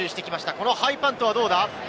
このハイパントはどうだ？